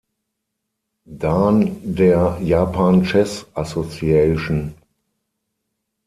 Dan der Japan Chess Association.